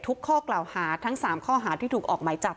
ข้อกล่าวหาทั้ง๓ข้อหาที่ถูกออกหมายจับ